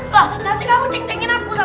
loh nanti kamu ceng cengin aku sama jodoh emak